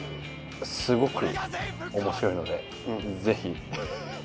すごく面白いのでぜひ。